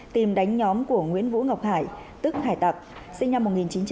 tìm đánh nhóm của nguyễn vũ ngọc hải tức hải tạc sinh năm một nghìn chín trăm tám mươi